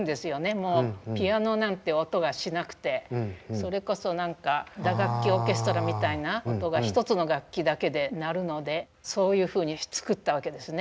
もうピアノなんて音がしなくてそれこそ何か打楽器オーケストラみたいなことが１つの楽器だけでなるのでそういうふうに作ったわけですね。